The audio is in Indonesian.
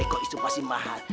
teko itu pasti mahal